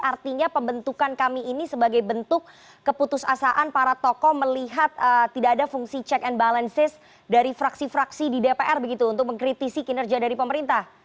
artinya pembentukan kami ini sebagai bentuk keputusasaan para tokoh melihat tidak ada fungsi check and balances dari fraksi fraksi di dpr begitu untuk mengkritisi kinerja dari pemerintah